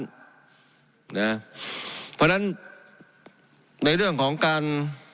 เพราะฉะนั้นในเรื่องของการ